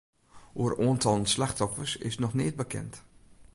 Oer oantallen slachtoffers is noch neat bekend.